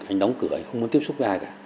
anh đóng cửa anh không muốn tiếp xúc ai cả